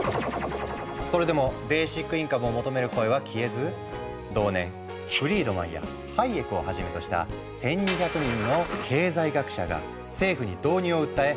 それでもベーシックインカムを求める声は消えず同年フリードマンやハイエクをはじめとした１，２００人の経済学者が政府に導入を訴え